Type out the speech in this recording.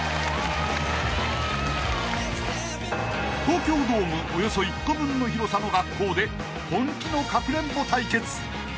［東京ドームおよそ１個分の広さの学校で本気のかくれんぼ対決］